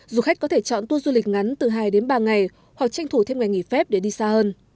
du khách có thể chọn tour du lịch ngắn từ hai đến ba ngày hoặc tranh thủ thêm ngày nghỉ phép để đi xa hơn